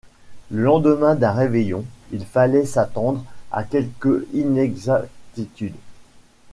Le lendemain d’un réveillon, il fallait s’attendre à quelques inexactitudes.